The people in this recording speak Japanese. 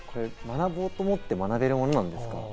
学ぼうと思って学べるものですか？